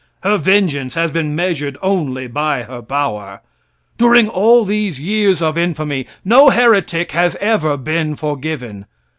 Her vengeance has been measured only by her power. During all these years of infamy no heretic has ever been forgiven.